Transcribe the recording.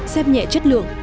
xem nhẹ chất lượng